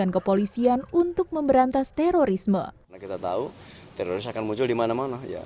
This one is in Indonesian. kita tahu teroris akan muncul di mana mana